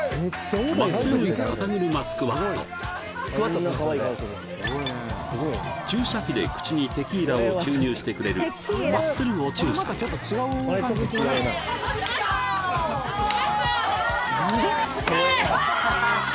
マッスル肩車スクワット注射器で口にテキーラを注入してくれるマッスルお注射やマッスルマッスルえいっ！